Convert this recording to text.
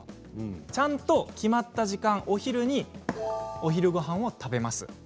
ちゃんと決まった時間、お昼にごはんを食べます。